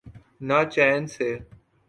نہ چین سے۔